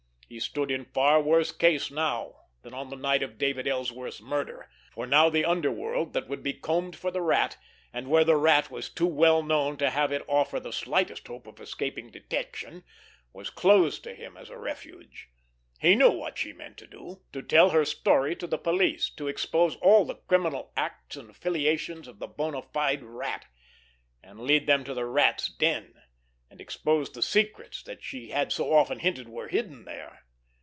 He stood in far worse case now than on the night of David Ellsworth's murder, for now the underworld, that would be combed for the Rat, and where the Rat was too well known to have it offer the slightest hope of escaping detection, was closed to him as a refuge. He knew what she meant to do—to tell her story to the police, to expose all the criminal acts and affiliations of the bona fide Rat, and to lead them to the Rat's den, and expose the secrets that she had so often hinted were hidden there.